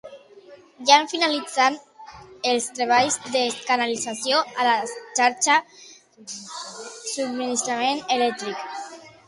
Ja han finalitzat els treballs de canalització a la xarxa de subministrament elèctric.